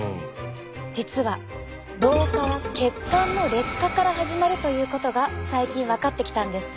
実は老化は血管の劣化から始まるということが最近分かってきたんです。